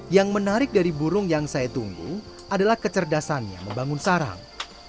yang menarik dari burung yang saya tunggu adalah kecerdasannya membangun sarang